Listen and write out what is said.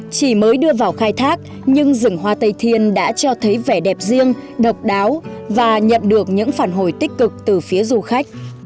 chỉ mới đưa vào khai thác nhưng rừng hoa tây thiên đã cho thấy vẻ đẹp riêng độc đáo và nhận được những phản hồi tích cực từ phía du khách